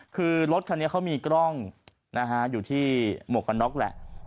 คือรถคันนี้เขามีกล้องอยู่ที่หมวกกันน็อกแหละ